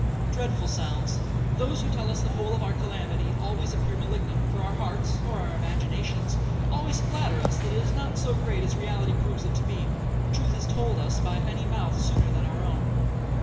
Dreadful sounds!—Those who tell us the whole of our calamity always appear malignant, for our hearts, or our imaginations, always flatter us that it is not so great as reality proves it to be. Truth is told us by any mouth sooner than our own.